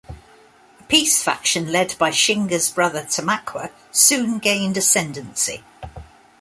A peace faction led by Shingas's brother Tamaqua soon gained ascendancy.